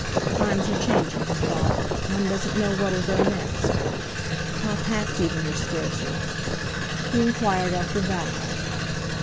"Times are changing," he thought; "one doesn't know what'll go next!" Top hats even were scarcer. He enquired after Val.